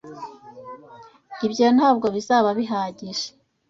Ibyo ntabwo bizaba bihagije.